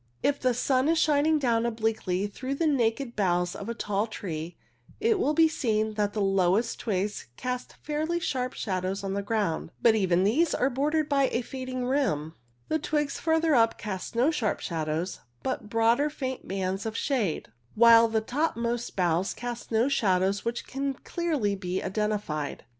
If the sun is shining down obliquely through the naked boughs of a tall tree, it will be seen that the lowest twigs cast fairly sharp shadows on the ground, but that even these are bordered by a fading rim ; the twigs further up cast no sharp shadows, but broader faint bands of shade; while the topmost boughs cast no shadows which can clearly be identified.